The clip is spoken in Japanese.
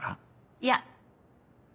いや。